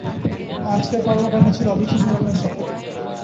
আজকের কর্মকাণ্ড ছিল অবিশ্বাস্য রকম সফল।